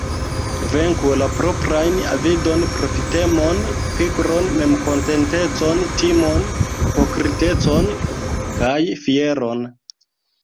Venku la proprajn avidon, profitemon, pigron, memkontentecon, timon, hipokritecon kaj fieron.